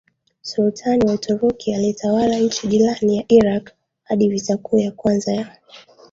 Sultani wa Uturuki aliyetawala nchi jirani ya Irak hadi vita kuu ya kwanza ya